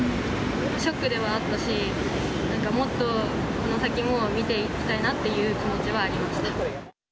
ショックではあったし、なんかもっと、この先も見ていきたいなっていう気持ちはありました。